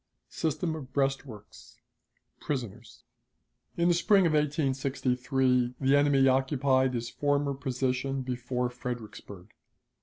System of Breastworks. Prisoners. In the spring of 1863 the enemy occupied his former position before Fredericksburg.